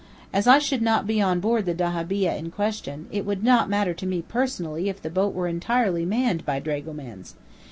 As I should not be on board the dahabeah in question, it would not matter to me personally if the boat were entirely manned by dragomans.